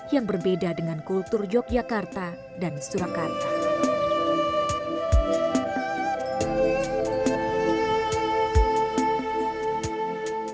yang berbeda dengan kultur yogyakarta dan surakarta